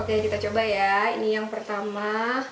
oke kita coba ya ini yang pertama